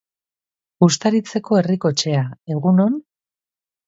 Uztaritzeko Herriko Etxea, egun on?